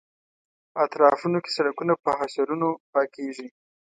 اطرافونو کې سړکونه په حشرونو پاکېږي.